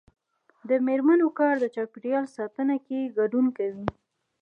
د میرمنو کار د چاپیریال ساتنه کې ګډون کوي.